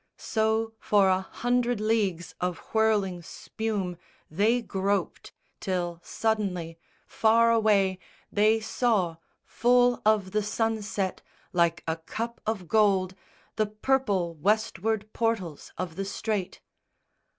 So for a hundred leagues of whirling spume They groped, till suddenly, far away, they saw Full of the sunset, like a cup of gold, The purple Westward portals of the strait.